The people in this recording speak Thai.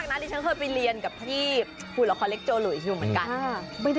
เสร็จแปนนาสิโตตอนนี้